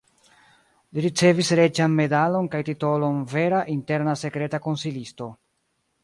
Li ricevis reĝan medalon kaj titolon "vera interna sekreta konsilisto".